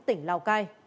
tỉnh lào cai